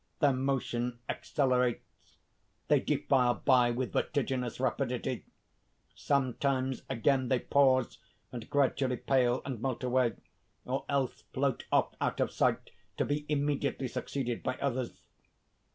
_ _Their motion accelerates. They defile by with vertiginous rapidity. Sometimes again, they pause and gradually pale and melt away; or else float off out of sight, to be immediately succeeded by others.